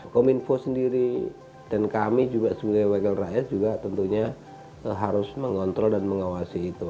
kominfo sendiri dan kami juga sebagai wakil rakyat juga tentunya harus mengontrol dan mengawasi itu